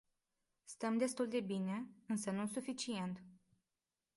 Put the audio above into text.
Stăm destul de bine, însă nu suficient.